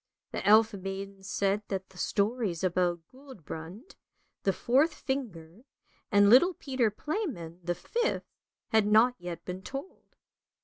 " The elf maiden said that the stories about Guldbrand, the fourth finger, and little Peter Playman, the fifth, had not yet been told.